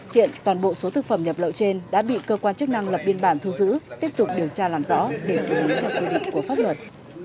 hiện toàn bộ số thực phẩm nhập lậu trên đã bị cơ quan chức năng lập biên bản thu giữ tiếp tục điều tra làm rõ để xử lý theo quy định của pháp luật